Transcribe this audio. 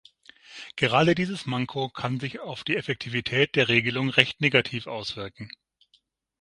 Gerade dieses Manko kann sich auf die Effektivität der Regelung recht negativ auswirken.